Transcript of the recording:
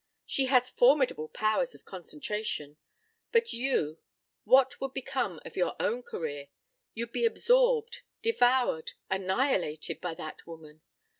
She has formidable powers of concentration. ... But you what would become of your own career? You'd be absorbed, devoured, annihilated by that woman.